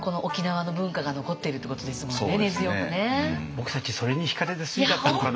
僕たちそれにひかれて住んじゃったのかな。